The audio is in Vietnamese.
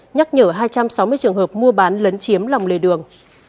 nhắc nhở hai trăm sáu mươi trường hợp mua bán lấn chiếm lòng lề đường